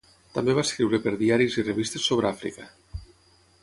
També va escriure per diaris i revistes sobre Àfrica.